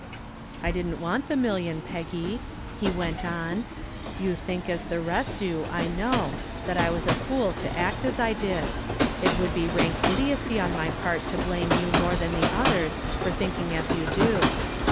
"I didn't want the million, Peggy," he went on. "You think as the rest do, I know, that I was a fool to act as I did. It would be rank idiocy on my part to blame you any more than the others for thinking as you do.